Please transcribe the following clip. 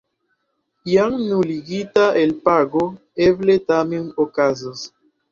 Jam nuligita elpago eble tamen okazos.